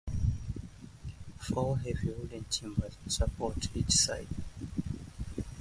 Four heavy wooden timbers support each side.